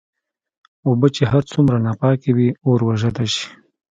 اوبه چې هرڅومره ناپاکي وي اور وژلی شې.